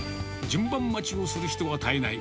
順番待ちをする人が絶えない